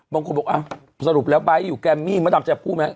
บางคนบอกสรุปแล้วไบท์อยู่แกมมี่มดำจะพูดไหม